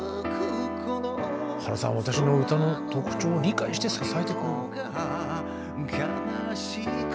「原さんは私の歌の特徴を理解して支えてくれる」。